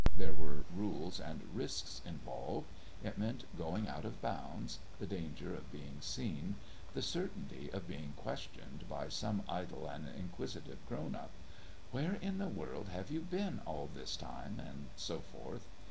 There were rules and risks involved: it meant going out of bounds, the danger of being seen, the certainty of being questioned by some idle and inquisitive grown up: "Where in the world have you been all this time" and so forth.